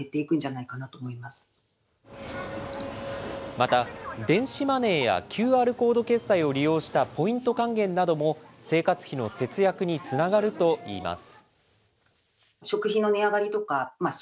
また、電子マネーやＱＲコード決済を利用したポイント還元なども、生活費の節約につながるといいます。